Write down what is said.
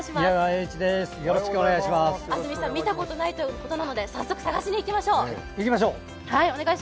安住さん、見たことないということなので早速探しにいきましょう。